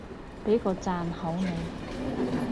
畀個讚好你